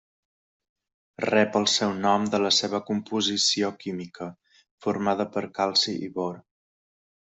Rep el seu nom de la seva composició química, formada per calci i bor.